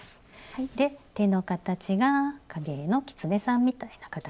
手の形が影絵のキツネさんみたいな形。